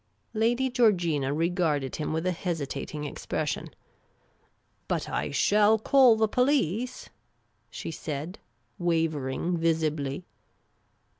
'' Lady Georgina regarded him with a hesitating expression. " But I shall call the police," she said, wavering visibly.